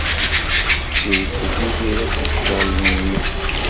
Iwekkel Tiziri ad teg ccɣel-nni.